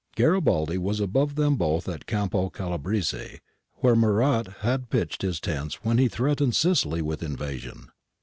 Garibaldi was above them both at Campo Calabrese, where Murat had pitched his tents when he threatened Sicily with invasion.